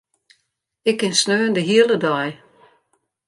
Ik kin sneon de hiele dei.